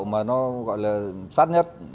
mà nó gọi là sát nhất